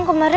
aku di mana